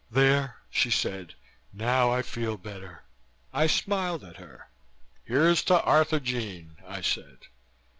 "There," she said, "now I feel better." I smiled at her. "Here's to Arthurjean!" I said.